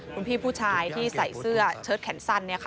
คุณพี่ผู้ชายที่ใส่เสื้อเชิดแขนสั้น